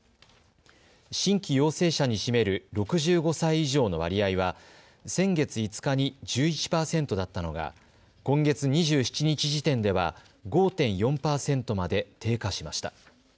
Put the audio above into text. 新規陽性者に占める６５歳以上の割合は先月５日に１１％だったのが今月２７日時点では５．４％まで低下しました。